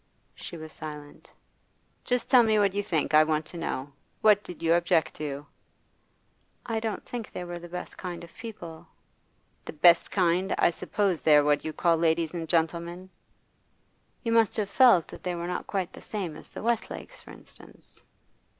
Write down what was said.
She was silent. 'Just tell me what you think. I want to know. What did you object to?' 'I don't think they were the best kind of people.' 'The best kind? I suppose they are what you call ladies and gentlemen?' 'You must have felt that they were not quite the same as the Westlakes, for instance.